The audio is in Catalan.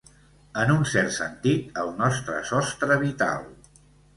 En un cert sentit, el nostre sostre vital.